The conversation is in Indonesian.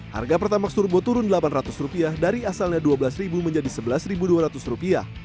harga pertamax turbo turun rp delapan ratus dari asalnya rp dua belas menjadi rp sebelas dua ratus